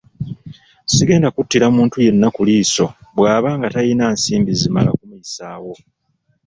Sigenda kuttira muntu yenna ku liiso bwaba nga tayina nsimbi zimala kumuyisaawo.